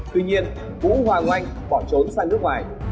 tuy nhiên vũ hoàng oanh bỏ trốn sang nước ngoài